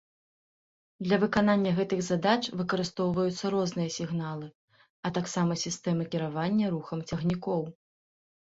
Для выканання гэтых задач выкарыстоўваюцца розныя сігналы, а таксама сістэмы кіравання рухам цягнікоў.